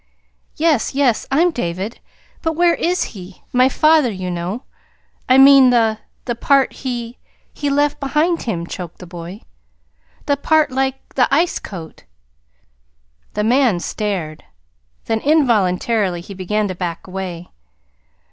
"Yes, yes, I'm David. But where is he my father, you know? I mean the the part he he left behind him?" choked the boy. "The part like the ice coat?" The man stared. Then, involuntarily, he began to back away.